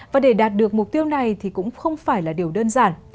và để đạt được mục tiêu này thì cũng không phải là điều đơn giản